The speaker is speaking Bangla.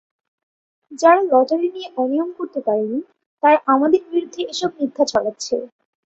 যারা লটারি নিয়ে অনিয়ম করতে পারেনি, তারা আমাদের বিরুদ্ধে এসব মিথ্যা ছড়াচ্ছে।